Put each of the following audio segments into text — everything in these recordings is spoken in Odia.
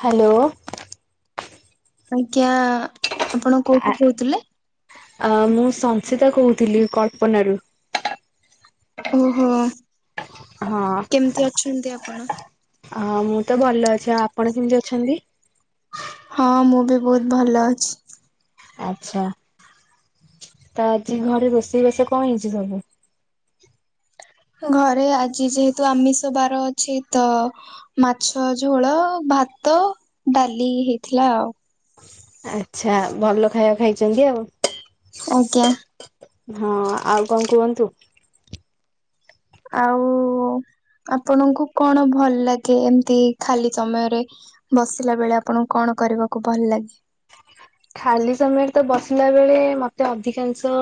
ହ୍ୟାଲୋ। ଆଜ୍ଞା ଆପଣ କୋଉଠୁ କହୁଥିଲେ? ଅ ମୁଁ ସଂସିିତା କହୁଥିଲି କଳ୍ପନା ରୁ। ଓହୋ କେମିତି ଅଛନ୍ତି ଆପଣ? ଅ ମୁଁ ତ ଭଲ ଅଛି ଆଉ ଆପଣ କେମିତି ଅଛନ୍ତି? ହଁ ମୁଁ ବି ବହୁତ ଭଲ ଅଛି। ଆଛା ତ ଆଜି ଘରେ ରୋଷେଇବାସ କଣ ହେଇଛି ସବୁ? ଘରେ ଆଜି ଯେହେତୁ ଆମିଷ ବାର ଅଛି ତ ମାଛ ଝୋଳ, ଭାତ, ଡାଲି ହେଇଥିଲା ଆଉ ଆଚ୍ଛା ଭଲ ଖାଇବା ଖାଇଛନ୍ତି ଆଉ। ଆଜ୍ଞା ହଁ ଆଉ କଣ କୁହନ୍ତୁ? ଆଉ ଆପଣଙ୍କୁ କଣ ଭଲ ଲାଗେ ଏମିତି ଖାଲି ସମୟରେ ବସିଲା ବେଳେ ଆପଣଙ୍କୁ କଣ କରିବାକୁ ଭଲ ଲାଗେ? ଖାଲି ସମୟରେ ତ ବସିଲା ବେଳେ ମତେ ଅଧିକାଂଶ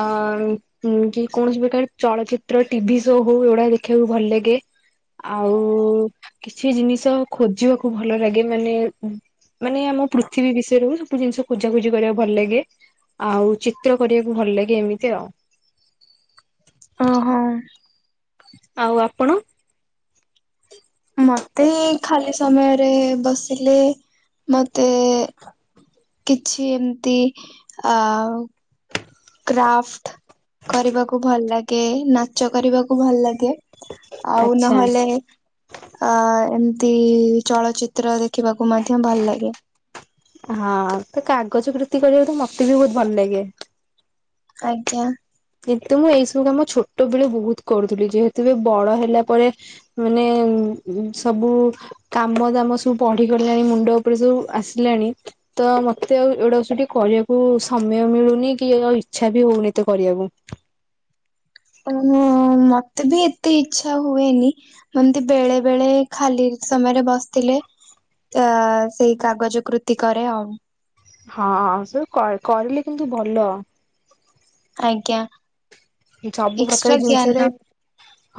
ଅ ହୁଁ କି କୌଣସି ପ୍ରକାର ଚଳଚିତ୍ର ଟିଭି ସୋ ହଉ ଏଗୁଡା ଦେଖିବାକୁ ଭଲ ଲାଗେ। ଆଉ କିଛି ଜିନିଷ ଖୋଜିବାକୁ ଭଲ ଲାଗେ ମାନେ ମାନେ ଆମ ପୃଥିବୀ ବିଷୟରେ ସବୁ ଜିନିଷ ଖୋଜା ଖୋଜି କରିବାକୁ ଭଲ ଲାଗେ ଆଉ ଚିତ୍ର କରିବାକୁ ଭଲ ଲାଗେ ଏମିତି ଆଉ। ଅ ହଁ। ଆଉ ଆପଣ? ମତେ ଏଇ ଖାଲି ସମୟରେ ବସିଲେ ମତେ କିଛି ଏମିତି ଆ ଆଫ୍ଟ କରିବାକୁ ଭଲ ଲାଗେ ନାଚ କରିବାକୁ ଭଲ ଲାଗେ। ଆଉ ଆଚ୍ଛା। ନହେଲେ ଆ ଏମିତି ଚଳଚିତ୍ର ଦେଖିବାକୁ ମଧ୍ୟ ଭଲ ଲାଗେ। ହଁ ତ କାଗଜ କୀତି କରିବାକୁ ତ ମତେ ବି ବହୁତ ଭଲ ଲାଗେ। ଆଜ୍ଞା। କିନ୍ତୁ ମୁଁ ଏଇ ସବୁ କାମ ଛୋଟ ବେଳେ ବହୁତ କରୁଥିଲି ଯେହେତୁ ଏ ବଡ଼ ହେଲା ପରେ ମାନେ ସବୁ କାମ ଦାମ ସବୁ ପଢି଼ଗଲାଣି ମୁଣ୍ଡ ଉପରେ ସବୁ ଆସିଲାଣି। ତ ମତେ ଆଉ ଏଗୁଡ଼ା ସେଠି କରିବାକୁ ସମୟ ମିଳୁନି କି ଆଉ ଇଚ୍ଛା ବି ହଉନି ଏତେ କରିବାକୁ। ଓ ହଁ। ଉ ମତେ ବି ଏତେ ଇଛା ହୁଏନି। ଏମିତି ବେଳେ ବେଳେ ଖାଲି ସମୟରେ ବସିଥିଲେ। ଆ ସେଇ କାଗଜ କୃତି କରେ ଆଉ। ହଁ ସ ସବୁ କରିଲେ କିନ୍ତୁ ଭଲ। ଆଜ୍ଞା। ସବୁ ଏକ୍ସଟ୍ରା ପ୍ରକାର ଜିନିଷଟରେ ଜ୍ଞାନ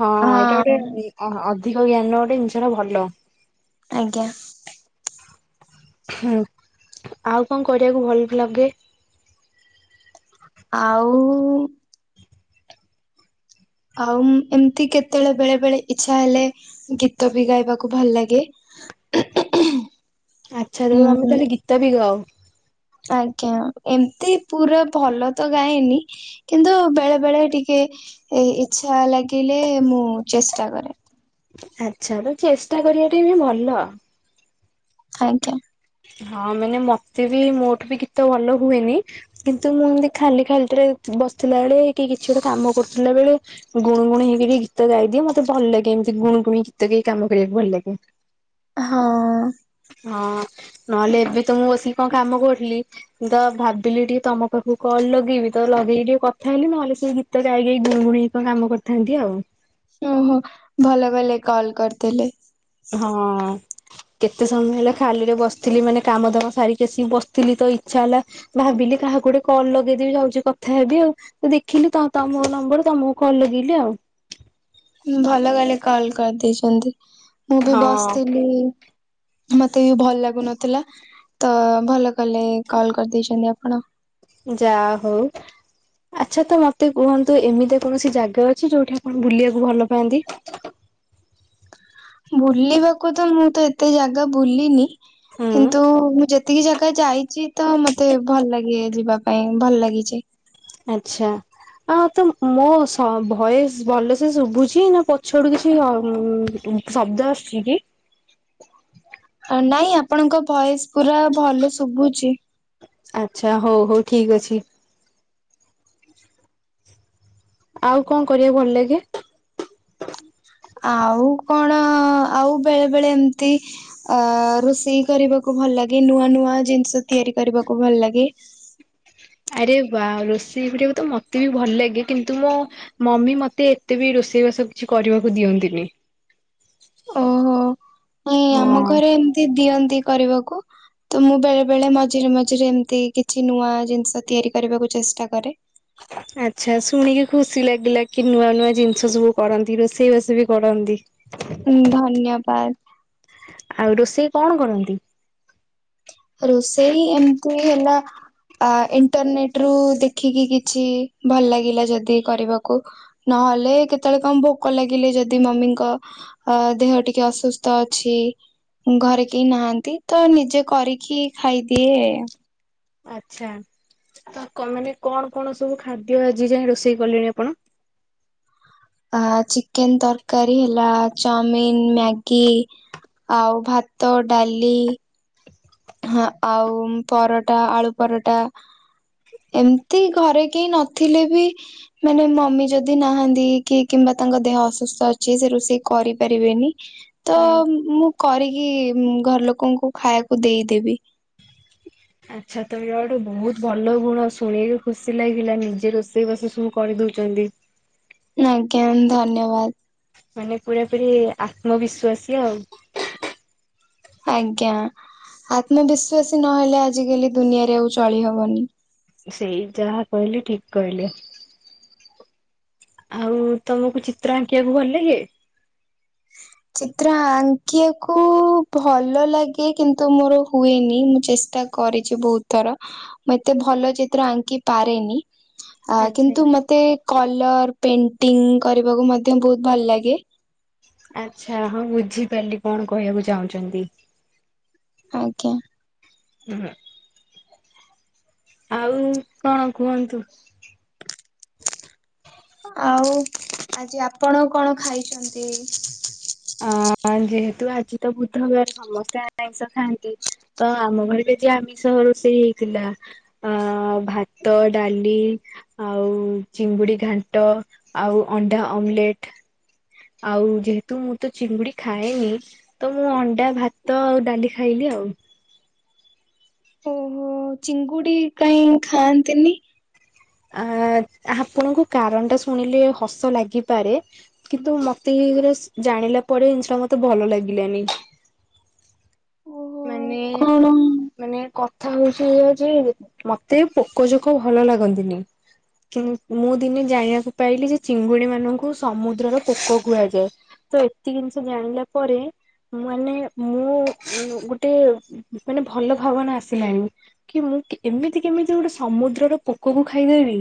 ହଁ ଏଇଟା ଗୋଟେ ଓ ଅଧିକ ଜ୍ଞାନ ଗୋଟେ ଜିନିଷର ଭଲ। ଆଜ୍ଞା। ହୁଁ ଆଉ କଣ କରିବାକୁ ଭଲ ଲାଗେ? ଆଉ ଆଉ ଏମତି କେତେବେଳେ ବେଳେ ବେଳେ ଇଚ୍ଛା ହେଲେ ଗୀତ ବି ଗାଇବାକୁ ଭଲ ଲାଗେ। ଆଛା ତ ଆମେ ହୁଁ ତାହେଲେ ଗୀତ ବି ଗାଉ। ଆଜ୍ଞା ଏମତି ପୁରା ଭଲ ତ ଗାଏନି। କିନ୍ତୁ ବେଳେ ବେଳେ ଟିକେ ଏ ଇଛା ଲାଗିଲେ ମୁଁ ଚେଷ୍ଟା କରେ। ଆଚ୍ଛା ତ ଚେଷ୍ଟା କରିବାଟେ ବି ଭଲ। ଆଜ୍ଞା। ହଁ ମାନେ ମତେ ବି ମୋଠୁ ବି ଗୀତ ଭଲ ହୁଏନି। କିନ୍ତୁ ମୁଁ ଏମିତି ଖାଲି ଖାଲିରେ ବସିଥିଲା ବେଳେ କି କିଛି ଗୋଟେ କାମ କରୁଥିଲା ବଳେ ଗୁଣ ଗୁଣ ହେଇକି ଟିକେ ଗୀତ ଗାଇଦିଏ ମତେ ଭଲ ଲାଗେ ଏମିତି ଗୁଣ ଗୁଣ ଗୀତାଇ କାମ କରିବାକୁ ଭଲ ଲାଗେ। ହଁ। ହଁ ନହେଲେ ଏବେ ତ ମୁଁ ବସିକି କଣ କାମ କରୁଥିଲି। ତ ଭାବିଲି ଟିକେ ତମ ପାଖକୁ କଣ ଲଗେଇବି ତ ଲଗେଇକି ଟିକେ କଥା ହେଲିି ନହେଲେ ସେ ଗୀତ ତ ଗାଈ ଗାଇ ଗୁଣ ଗୁଣେଇ କଣ କାମ କରିଥାନ୍ତି ଆଉ। ଓହୋ ଭଲ ଭଲେ କଲ କରିଦେଲେ। ହଁ। କେତେ ସମୟ ହେଲା ଖାଲିରେ ବସିଥିଲି ମାନେ କାମଧାମ ସାରିକି ଆସିକି ବସିଥିଲି ତ ଇଚ୍ଛା ହେଲା। ଭାବିଲି କାହାକୁ ଗୋଟେ କଲ ଲଗେଇଦବି ଯାଉଛି କଥା ହେବି ଆଉ। ତ ଦେଖିଲି ତମୋ ନମ୍ବର ତମକୁ କଲ ଲଗେଇଲିି ଆଉ। ଭଲ କଲେ କଲ କରିଦେଇଛନ୍ତି ମୁଁ ବି ହଁ ବସିଥିଲି। ମତେ ବି ଭଲ ଲାଗୁନଥିଲା ତ ଭଲ କଲେ କଲ କରିଦେଇଛନ୍ତି ଆପଣ। ଯା ହୋଉ। ଆଚ୍ଛା ତ ମତେ କୁହନ୍ତୁ ଏମିତି କୌଣସି ଜାଗା ଅଛି ଯୋଉଠି ଆପଣ ବୁଲିବାକୁ ଭଲ ପାଆନ୍ତି? ବୁଲିବାକୁ ତ ମୁଁ ତ ଏତେ ଜାଗା ବୁଲିନି ହୁଁ କିନ୍ତୁ ମୁଁ ଯେତିକି ଜାଗା ଯାଇଛି ତ ମତେ ଭଲ ଲାଗେ ଯିବା ପାଇଁ ପାଇଁ ଭଲ ଲାଗିଛି। ଆଚ୍ଛା। ଆ ତ ମୋ ସ ଭୟସ ଭଲସେ ଶୁଭୁଛି ନା ପଛଆଡୁ କିଛି ଶବ୍ଦ ଆସୁଛି କି? ନାଇଁ ଆପଣଙ୍କ ଭୟସ ପୁରା ଭଲ ଶୁଭୁଛି। ଆଚ୍ଛା ହଉ ହଉ ଠିକ ଅଛି। ଆଉ କଣ କରିବାକୁ ଭଲ ଲାଗେ? ଆଉ କଣ ଆଉ ବେଳେ ବେଳେ ଏମିତି ଅ ରୋଷେଇ କରିବାକୁ ଭଲ ଲାଗେ ନୂଆ ନୂଆ ଜିନିଷ ତିଆରି କରିବାକୁ ଭଲ ଲାଗେ। ଆରେ ବା ରୋଷେଇ କରିବାକୁ ତ ମତେ ବି ଭଲ ଲାଗେ କିନ୍ତୁ ମୋ ମମି ମତେ ଏତେ ବି ରୋଷେଇବା ସବ କିଛି କରିବାକୁ ଦିଅନ୍ତିନି। ଓହୋ [inaudible] ନାଇଁ ଆମ ହଁ। ଘରେ ଏମତି ଦିଅନ୍ତି କରିବାକୁ ତ ମୁଁ ବେଳେ ବେଳେ ମଝିରେ ମଝିରେ ଏମିତି କିଛି ନୂଆ ଜିନିଷ ତିଆରି କରିବାକୁ ଚେଷ୍ଟା କରେ ଆଚ୍ଛା ଶୁଣିକି ଖୁସି ଲାଗିଲା କି ନୂଆ ନୂଆ ଜିନିଷ ସବୁ କରନ୍ତି ରୋଷେଇବାଷେଇ ବି କରନ୍ତି। ହଁ ଧନ୍ୟବାଦ। ଆଉ ରୋଷେଇ କଣ କରନ୍ତି? ରୋଷେଇ ଏମିତି ହେଲା। ଆ ଇଣ୍ଟରନେଟ ରୁ ଦେଖିକି କିଛି ଭଲ ଲାଗିଲା ଯଦି କରିବାକୁ ନହେଲେ କେତେବେଳେ କଣ ଭୋକ ଲାଗିଲେ ଯଦି ମମିଙ୍କ ଅ ଦେହ ଟିକେ ଅସୁସ୍ଥ ଅଛି ଘରେ କେହି ନାହାନ୍ତି ତ ନିଜେ କରି କି ଖାଇଦିଏ। ଆଚ୍ଛା ତ ମାନେ କଣ କଣ ସବୁ ଖାଦ୍ୟ ଆଜି ଯାଇଁ ରୋଷେଇ କଲେଣି ଆପଣ? ଆ ଚିକେନ ତରକାରୀ ହେଲା ଚାଉମିିନ, ମ୍ୟାଗି ଆଉ ଭାତ, ଡାଲି ହ ଆଉ ପରଟା ଆଳୁ ପରଟା ଏମତି ଘରେ କେହି ନଥିଲେ ବି ମାନେ ମମି ଯଦି ନାହାନ୍ତି କି କିମ୍ବା ତାଙ୍କ ଦେହ ଅସୁସ୍ଥ ଅଛି ସେ ରୋଷେଇ କରିପାରିବେନି। ତ ହୁଁ ମୁଁ କରିକି ଘର ଲୋକଙ୍କୁ ଖାଇବାକୁ ଦେଇଦେବି। ଆଚ୍ଛା ତ ଗୋଟେ ବହୁତ ଭଲ ଗୁଣ ଶୁଣିକି ଖୁସି ଲାଗିଲା ନିଜେ ରୋଷେଇ ବସେଇ ସବୁ କରିଦଉଛନ୍ତି। ଆଜ୍ଞା ଧନ୍ୟବାଦ। ମାନେ ପୁରା ପୁରି ଆତ୍ମବିଶ୍ୱାସୀ ଆଉ ଆଜ୍ଞା ଆତ୍ମବିଶ୍ୱାସୀ ନହେଲେ ଆଜିକାଲି ଦୁନିଆରେ ଆଉ ଚଳି ହବନି। ସେଇ ଯାହା କହିଲେ ଠିକ କହିଲେ। ଆଉ ତମକୁ ଚିତ୍ର ଆଙ୍କିବାକୁ ଭଲ ଲାଗେ? ଚିତ୍ର ଆଙ୍କିବାକୁ ଭଲ ଲାଗେ କିନ୍ତୁ ମୋର ହୁଏନି ମୁଁ ଚେଷ୍ଟା କରିଛି ବହୁତ ଥର ମୁଁ ଏତେ ଭଲ ଚିତ୍ର ଆଙ୍କି ପାରେନି। ଆ ଆଚ୍ଛା କିନ୍ତୁ ମତେ କଲର ପେଣ୍ଟିଂ କରିବାକୁ ମଧ୍ୟ ବହୁତ ଭଲ ଲାଗେ। ଆଚ୍ଛା ହଁ ବୁଝିପାରିଲି କଣ କହିବାକୁ ଚାହୁଁଛନ୍ତି? ଆଜ୍ଞା। [unintelligible] ଆଉ କଣ କୁହନ୍ତୁ? ଆଉ ଆଜି ଆପଣ କଣ ଖାଇଛନ୍ତି? ଆଁ ଯେହେତୁ ଆଜି ତ ବୁଧବାର ସମସ୍ତେ ଆଇଁଷ ଖାଆନ୍ତି। ତ ଆମ ଘରେ ବି ଆମିଷ ରୋଷେଇ ହେଇଥିଲା। ହଁ ଭାତ, ଡାଲି ଆଉ ଚିଙ୍ଗୁଡି ଘାଣ୍ଟ ଆଉ ଅଣ୍ଡା ଆମଲେଟ୍। ଆଉ ଯେହେତୁ ମୁଁ ତ ଚିଙ୍ଗୁଡି ଖାଏନି। ତ ମୁଁ ଅଣ୍ଡା ଭାତ ଆଉ ଡାଲି ଖାଇଲି ଆଉ। ଓହୋ ଚିଙ୍ଗୁଡି କାଇଁ ଖାଆନ୍ତିନି? ଆ ଆପଣଙ୍କୁ କାରଣଟା ଶୁଣିଲେ ହସ ଲାଗିପାରେ। କିନ୍ତୁ ମତେ ଏକରେ ଜାଣିଲା ପରେ ଜିନିଷଟା ମତେ ଭଲ ଲାଗିଲାନି। ଓହୋ ମାନେ। କଣ ମାନେ କଥା ହଉଛି ଏଇଆ ଯେ ମତେ ପୋକଯୋକ ଭଲ ଲାଗନ୍ତିନି। କି ମୁଁ ଦିନେ ଜାଣି ଆକୁ ପାଇଲି ଯେ ଚିଙ୍ଗୁଡି ମାନଙ୍କୁ ସମୁଦ୍ରର ପୋକ କୁହାଯାଏ। ତ ଏତିକି ଜିନିଷ ଜାଣିଲା ପରେ ମାନେ ମୁଁ ଗୋଟେ ମାନେ ଭଲ ଭାବନା ଆସିଲାଣି। କି ମୁଁ ଏମିତି କେମିତି ଗୋଟେ ସମୁଦ୍ରର ପୋକକୁ ଖାଇଦେବି।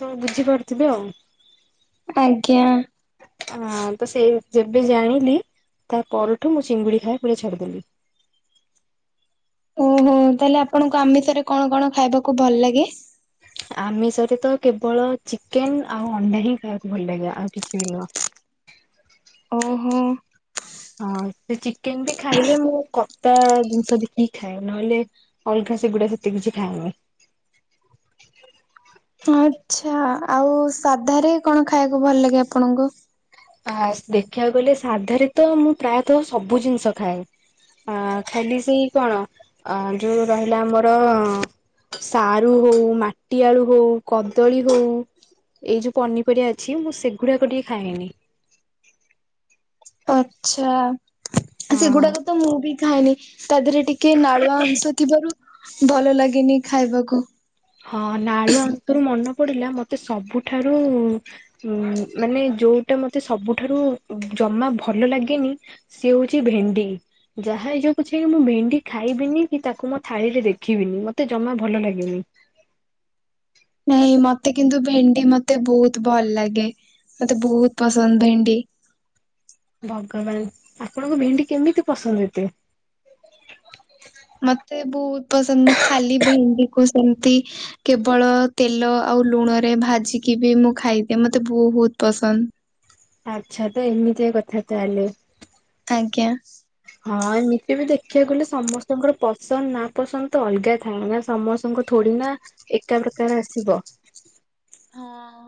ତ ବୁଝିପାରୁଥିବେ ଆଉ ଆଜ୍ଞା। ହଁ ତ ସେଇ ଯେବେ ଜାଣିଲି ତା ପରଠୁ ମୁଁ ଚିଙ୍ଗୁଡି ଖାଇବା ପୁରା ଛାଡ଼ିଦେଲି। ଓ ତାହେଲେ ଆପଣଙ୍କୁ ଆମିଷରେ କଣ କଣ ଖାଇବାକୁ ଭଲ ଲାଗେ? ଆମିଷରେ ତ କେବଳ ଚିକେନ ଆଉ ଅଣ୍ଡା ହିଁ ଖାଇବାକୁ ଭଲ ଲାଗେ ଆଉ କିଛି ବି ନୁହଁ। ଓହୋ। ହଁ ସେ ଚିକେନ ବି ଖାଇଲେ ମୁଁ କତା ଜିନିଷ ଦେଖିକି ଖାଏ ନହେଲେ ଅଲଗା ସେଗୁଡା ସେତେ କିଛି ଖାଏନି। ଆଛା ଆଉ ସାଧାରେ କଣ ଖାଇବାକୁ ଭଲ ଲାଗେ ଆପଣଙ୍କୁ। ଆ ଦେଖିବାକୁ ଗଲେ ସାଧାରେ ତ ମୁଁ ପ୍ରାୟତଃ ସବୁ ଜିନିଷ ଖାଏ। ଆଁ ଖାଲି ସେଇ କଣ ଅ ଯୋଉ ରହିଲା ଆମର ସାରୁ ହଉ ମାଟି ଆଳୁ ହଉ କଦଳୀ ହଉ। ଏଇ ଯୋଉ ପନିପରିବା ଅଛି ମୁଁ ସେଗୁଡାକ ଟିକେ ଖାଏନି। ଆଛା ହଁ ସେଗୁଡାକ ତ ମୁଁ ବି ଖାଏନି। ତା ଦିରେ ଟିକେ ନାଳୁଆ ଅଂଶ ଥିବାରୁ ଭଲ ଲାଗେନି ଖାଇବାକୁ। ହଁ ନାଳୁଆଅଂଶରୁ ମନେ ପଡିଲା ମତେ ସବୁଠାରୁ ଉଁ ମାନେ ଯୋଉଟା ମତେ ସବୁଠାରୁ ଜମା ଭଲ ଲାଗେନି। ସିଏ ହଉଚି ଭେଣ୍ଡି। ଯାହା ହେଇଯାଉ ପଛେ ମୁଁ ଭେଣ୍ଡି ଖାଇବିନି କି ତାକୁ ମୋ ଥାଳିରେ ଦେଖିବିନି ମତେ ଜମା ଭଲ ଲାଗେନି। ନାଇଁ ମତେ କିନ୍ତୁ ଭେଣ୍ଡି ମତେ ବହୁତ ଭଲ ଲାଗେ ମତେ ବହୁତ ପସନ୍ଦ ଭେଣ୍ଡି। ଭଗବାନ ଆପଣଙ୍କୁ ଭେଣ୍ଡି କେମିତି ପସନ୍ଦ ଏତେ। ମତେ ବହୁତ ପସନ୍ଦ ମୁଁ ଖାଲି ଭେଣ୍ଡିକୁ ସେମତି କେବଳ ତେଲ ଆଉ ଲୁଣରେ ଭାଜିକି ବି ମୁଁ ଖାଇଦିଏ ମତେ ବହୁତ ପସନ୍ଦ। ଆଚ୍ଛା ତ ଏମିତିଆ କଥା ତାହାଲେ। ଆଜ୍ଞା। ହଁ ଏମିତି ବି ଦେଖିବାକୁ ଗଲେ ସମସ୍ତଙ୍କର ପସନ୍ଦ ନା ପସନ୍ଦ ତ ଅଲଗା ଥାଏ ନା ସମସ୍ତଙ୍କ ଥୋଡି ନା ଏକା ପ୍ରକାର ଆସିବ। ହଁ।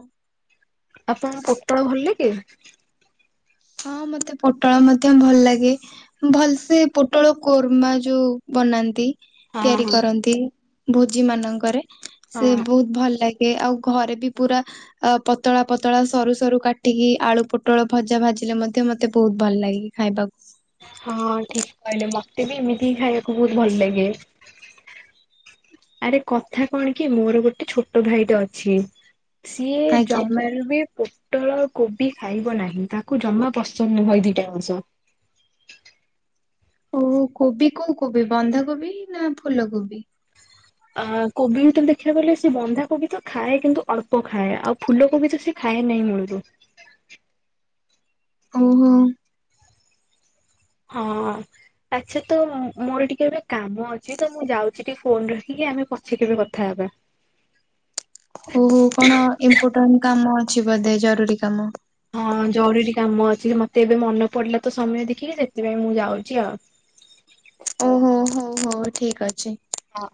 ଆପଣ ପୋଟଳ ଭଲ ଲାଗେ ହଁ ମତେ ପୋଟଳ ମଧ୍ୟ ଭଲ ଲାଗେ। ଭଲ ସେେ ପୋଟଳ କୋର୍ମା ଯୋଉ ବନାନ୍ତି। ହଁ ତିଆରି ହଁ କରନ୍ତି ଭୋଜି ମାନଙ୍କରେ ସେ ହଁ ବହୁତ ଭଲ ଲାଗେ। ଏ ଆଉ ଘରେ ବି ପୁରା ଅ ପତଳା ପତଳା ସରୁ ସରୁ କାଟିକି ଆଳୁ ପୋଟଳ ଭଜା ଭାଜି ଥିଲେ ମଧ୍ୟ ମତେ ବହୁତ ଭଲ ଲାଗେ ଖାଇବାକୁ। ହଁ ଠିକ୍ କହିଲେ ମତେ ବି ଏମିତି ହି ଖାଇବାକୁ ବହୁତ ଭଲ ଲାଗେ। ଆରେ କଥା କଣ କି ମୋର ଗୋଟେ ଛୋଟ ଭାଇଟେ ଅଛି। ସିଏ ଆଜ୍ଞା। ଜମାରୁ ବି ପୋ ଟଳ କୋବି ଖାଇବ ନାହିଁ। ତାକୁ ଜମା ପସନ୍ଦ ନୁହଁ ଏ ଦିଟା ଦିନିଷ। ଓ କୋବି କୋଉ କୋବି ବନ୍ଧାକୋବି ନା ଫୁଲ କୋବି? ଆ କୋବି ଭିତରେ ଦେଖିବାକୁ ଗଲେ ସେ ବନ୍ଧା କୋବି ତ ଖାଏ କିନ୍ତୁ ଅଳ୍ପ ଖାଏ। ଆଉ ଫୁଲ କୋବି ତ ସେ ଖାଏ ନାହିଁ ମୁଳୁରୁ। ଓହୋ। ହଁ। ଆଛା ତ ମୋର ଟିକେ ଏବେ କାମ ଅଛି, ତ ମୁଁ ଯାଉଚି ଟିକେ ଫୋନ ରଖିକି ଆମେ ପଛେ କେବେ କଥା ହେବା। ହୋଉ ହୋଉ କଣ ଇମ୍ପୋର୍ଟାଣ୍ଟ କାମ ଅଛି ବୋଧେ ଜରୁରୀ କାମ? ହଁ ଜରୁରୀ କାମ ଅଛି ମତେ ଏବେ ମନେ ପଡିଲା ତ ସମୟ ଦେଖିକି ସେଥିପାଇଁ ମୁଁ ଯାଉଚି ଆଉ। ଓହୋ। ହୋଉ ହୋଉ ହଉ ଠିକ ଅଛି। ହଁ।